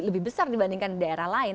lebih besar dibandingkan daerah lain